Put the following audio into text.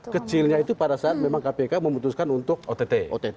kecilnya itu pada saat memang kpk memutuskan untuk ott